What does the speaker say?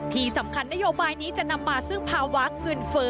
นโยบายนี้จะนำมาซึ่งภาวะเงินเฟ้อ